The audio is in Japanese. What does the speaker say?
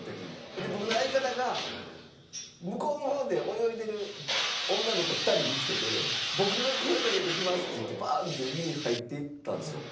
それで僕の相方が向こうの方で泳いでる女の子２人見付けて「僕が声かけてきます」って言ってパーンって海に入っていったんですよ。